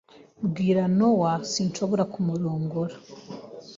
Bwira Nowa sinshobora kumurongora.